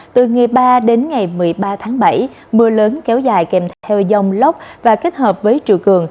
từ ngày ba đến ngày một mươi ba tháng bảy mưa lớn kéo dài kèm theo dông lốc và kết hợp với triều cường